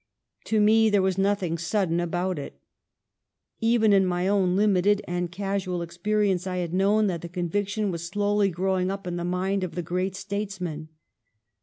To me there was nothing sudden about it. Even in my own limited and casual experience I had known that the conviction was slowly growing up in the mind of the great states man.